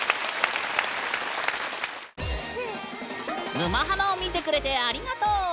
「沼ハマ」を見てくれてありがとう！